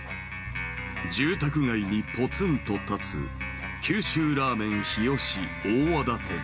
住宅街にぽつんと建つ、九州ラーメン日吉大和田店。